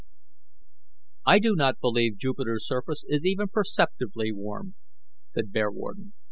"I do not believe Jupiter's surface is even perceptibly warm," said Bearwarden.